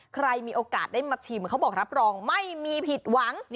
ใครมีโอกาสได้มาชิมเขาบอกรับรองไม่มีผิดหวัง